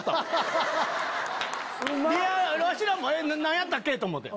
ワシらも何やったっけ？と思うて。